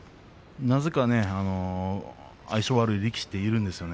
なぜか相性が悪い力士っているんですよね